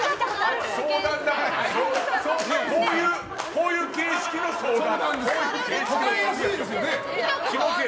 こういう形式の相談？